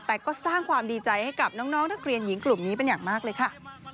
แต่ก็สร้างความดีใจให้กับน้องนักเรียนหญิงกลุ่มนี้เป็นอย่างมากเลยค่ะ